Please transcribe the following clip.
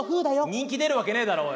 人気出るわけねえだろおい。